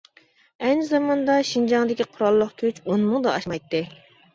ئەينى زاماندا شىنجاڭدىكى قوراللىق كۈچ ئون مىڭدىن ئاشمايتتى.